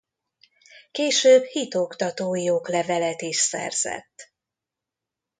Később hitoktatói oklevelet is szerzett.